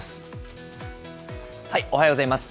おはようございます。